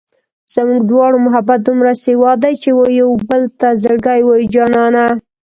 زموږ دواړو محبت دومره سېوا دی چې و يوبل ته زړګی وایو جانانه